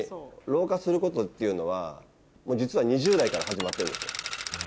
老化することっていうのは実は２０代から始まってるんですよ。